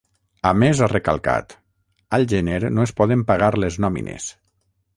A més ha recalcat: Al gener no es poden pagar les nòmines.